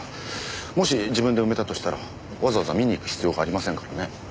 もし自分で埋めたとしたらわざわざ見に行く必要がありませんからね。